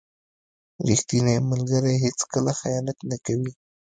• ریښتینی ملګری هیڅکله خیانت نه کوي.